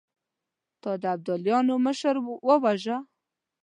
تا د ابداليانو مشر وواژه!